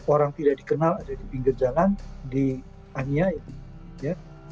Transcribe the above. orang tidak dikenal ada di pinggir jalan di anya itu ya